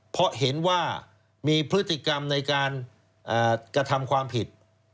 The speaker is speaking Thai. เพราะเห็นว่ามีพฤติกรรมในการกระทำความผิด